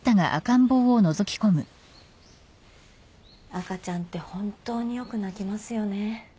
赤ちゃんって本当によく泣きますよね。